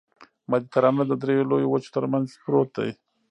مدیترانه د دریو لویو وچو ترمنځ پروت دی.